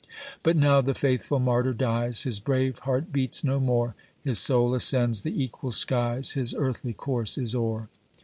But now the faithful martyr dies, His brave heart beats no more, His soul ascends the equal skies, His earthly course is o'er.